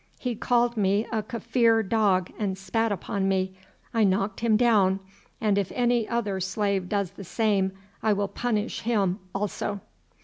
He called me a Kaffir dog and spat upon me. I knocked him down; and if any other slave does the same I will punish him also."